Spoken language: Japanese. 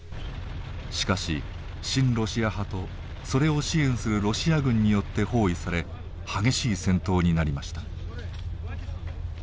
しかし親ロシア派とそれを支援するロシア軍によって包囲され激しい戦闘になりました。